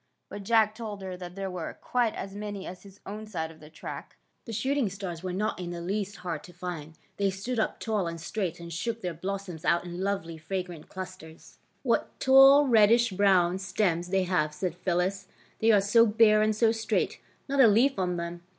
" But Jack told her that there were quite as many on his own side of the track. The shooting stars were not in the least hard to find. They stood up tall and straight, and shook their blossoms out in lovely fra grant clusters. ^^ What taU, reddish brown stems they have," said Phyllis. '' They are so bare and so straight, not a leaf on them.